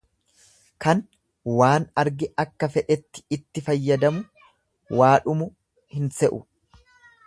Kan waan arge akka fedhetti itti fayyadamu waa dhumu hin se'u.